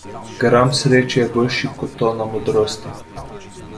Gram sreče je boljši kot tona modrosti.